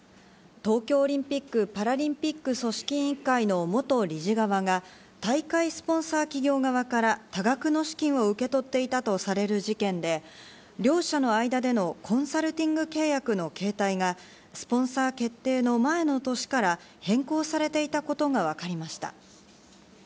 東京オリンピック・パラリンピック組織委員会の元理事側が大会スポンサー企業側から多額の資金を受け取っていたとされる事件で、両者の間でのコンサルティング契約の形態がスポンサー決定の前の年から変更されていたことがわかりました。